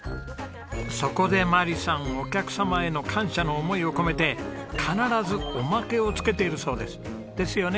そこで眞理さんお客様への感謝の思いを込めて必ずオマケを付けているそうです。ですよね？